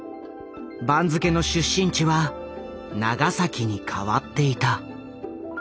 番付の出身地は「長崎」に変わっていた。